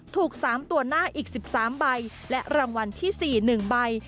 ถูก๓ตัวหน้าอีก๑๓ใบและรางวัลที่๔๑ใบ